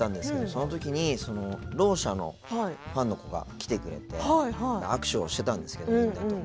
その時にろう者のファンの子が来てくれて握手をしてたんですけどみんなと。